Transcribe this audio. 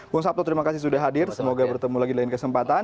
bung sabto terima kasih sudah hadir semoga bertemu lagi di lain kesempatan